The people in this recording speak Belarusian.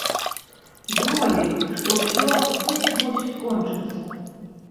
Думалі, што ўсё вось-вось скончыцца.